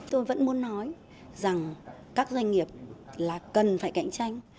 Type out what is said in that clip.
tôi vẫn muốn nói rằng các doanh nghiệp là cần phải cạnh tranh